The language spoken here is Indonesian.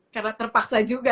karena terpaksa juga